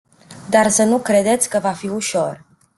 Dar să nu credeți că va fi ușor.